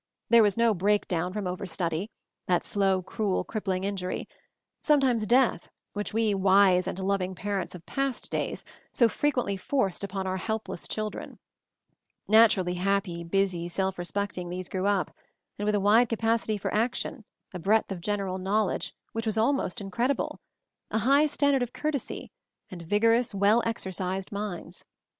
There was no "breakdown from overstudy;" that slow, cruel, crippling injury — some MOVING THE MOUNTAIN 223 times death, which we, wise and loving parents of past days, so frequently forced upon our helpless children. Naturally happy, busy, self respecting, these grew up; with a wide capacity for action, a breadth of general knowledge which was almost incredible, a high standard of courtesy, and vigorous, well exercised minds.